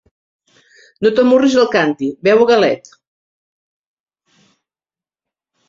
No t'amorris al càntir, beu a galet!